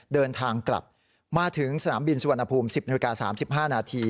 เดินทางกลับมาถึงสนามบินสุวรรณภูมิ๑๐นาฬิกา๓๕นาที